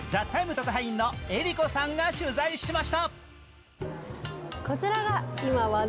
特派員のＥＲＩＫＯさんが取材しました。